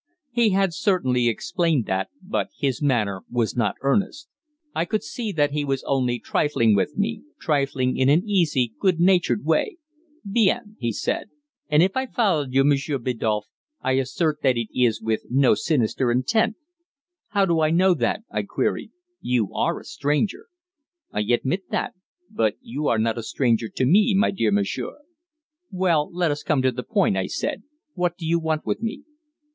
He had certainly explained that, but his manner was not earnest. I could see that he was only trifling with me, trifling in an easy, good natured way. "Bien!" he said; "and if I followed you, Monsieur Biddulph, I assert that it is with no sinister intent." "How do I know that?" I queried. "You are a stranger." "I admit that. But you are not a stranger to me, my dear monsieur." "Well, let us come to the point," I said. "What do you want with me?"